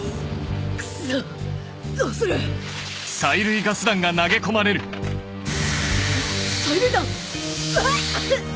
クソっどうする⁉催涙弾！